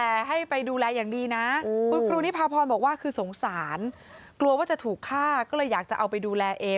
เอาไปเถอะ